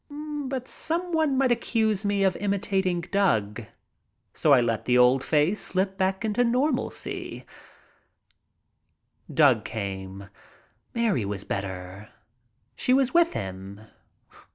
But some one might accuse me of imitating Doug. So I let the old face slip back to normalcy. Doug came. Mary was better. She was with him.